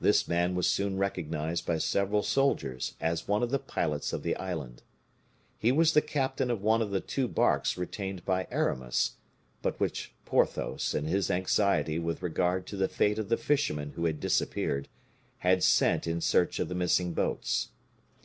This man was soon recognized by several soldiers as one of the pilots of the island. He was the captain of one of the two barks retained by Aramis, but which Porthos, in his anxiety with regard to the fate of the fishermen who had disappeared, had sent in search of the missing boats.